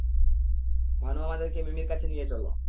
ভানু, আমাদেরকে মিমির কাছে নিয়ে চলো।